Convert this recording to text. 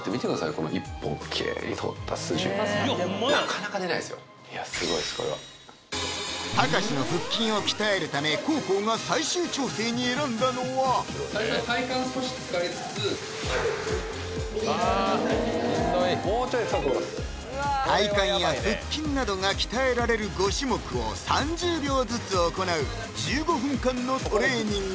この一本きれいに通った筋いやホンマやたかしの腹筋を鍛えるため黄皓が最終調整に選んだのは最初は体幹少し使いつつあしんどい体幹や腹筋などが鍛えられる５種目を３０秒ずつ行う１５分間のトレーニング